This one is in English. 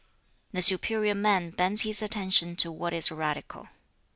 2. 'The superior man bends his attention to what is radical.